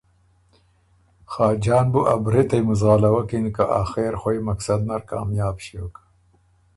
خاجان بُو ا برېتئ مُزغالوَکِن که آخېر خوئ مقصد نر کامیاب ݭیوک